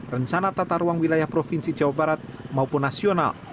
rencana tata ruang wilayah provinsi jawa barat maupun nasional